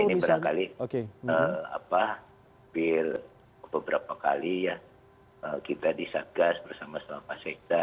ini berapa kali ya kita di satgas bersama sama pak sekta